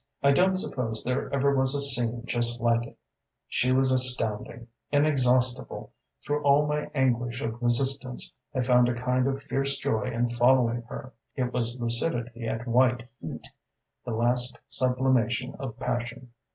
I don't suppose there ever was a scene just like it.... "She was astounding inexhaustible; through all my anguish of resistance I found a kind of fierce joy in following her. It was lucidity at white heat: the last sublimation of passion.